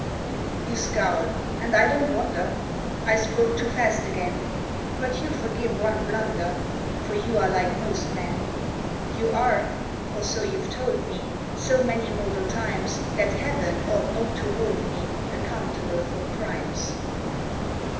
"You scowl and I don't wonder; I spoke too fast again; But you'll forgive one blunder, For you are like most men: You are, or so you've told me, So many mortal times, That heaven ought not to hold me Accountable for crimes.